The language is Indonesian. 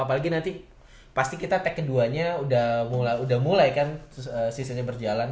apalagi nanti pasti kita tag keduanya udah mulai kan seasonnya berjalan